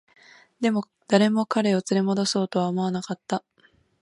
でも、誰も彼を連れ戻そうとは思わなかった